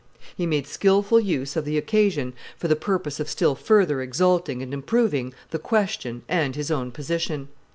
He made skilful use of the occasion for the purpose of still further exalting and improving the question and his own position.